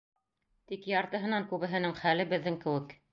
Тик яртыһынан күбеһенең хәле беҙҙең кеүек.